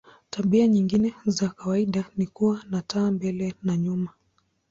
Tabia nyingine za kawaida ni kuwa na taa mbele na nyuma.